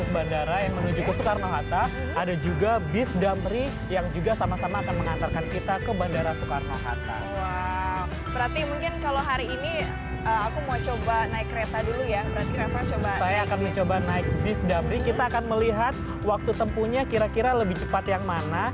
saya akan mencoba naik bus damri kita akan melihat waktu tempuhnya kira kira lebih cepat yang mana